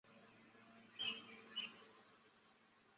其实这就是西方雕刻之古典性规范的所在。